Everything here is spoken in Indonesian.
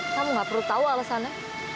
kamu gak perlu tahu alasannya